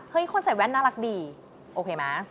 คนใส่แว่นน่ารักดีโอเคไหม